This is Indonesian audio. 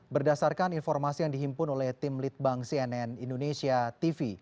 berdasarkan informasi yang dihimpun oleh tim litbang cnn indonesia tv